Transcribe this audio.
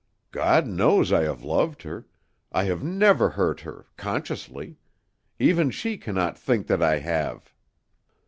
"God knows I have loved her. I have never hurt her consciously. Even she cannot think that I have."